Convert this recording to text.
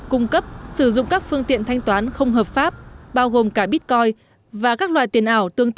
cung cấp sử dụng các phương tiện thanh toán không hợp pháp bao gồm cả bitcoin và các loại tiền ảo